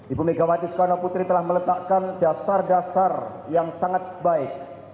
ibu megawati soekarno putri telah meletakkan dasar dasar yang sangat baik